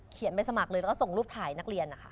ไปสมัครเลยแล้วก็ส่งรูปถ่ายนักเรียนนะคะ